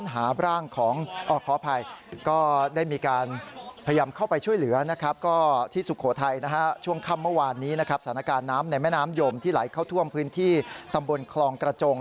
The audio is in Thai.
หลายเข้าท่วมพื้นที่ตำบลคลองกระจง